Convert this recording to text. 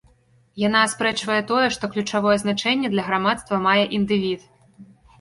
Яна аспрэчвае тое, што ключавое значэнне для грамадства мае індывід.